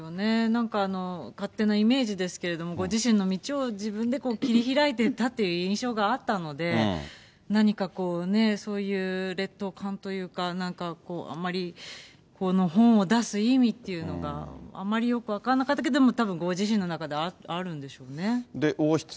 なんか勝手なイメージですけども、ご自身の道を自分で切り開いていったって印象があったので、何かこう、ねえ、そういう劣等感というか、なんかこう、あんまりこの本を出す意味っていうのが、あまりよく分かんなかったけど、でもたぶんご自身の中ではあるんでしょうね。